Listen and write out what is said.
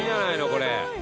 これ。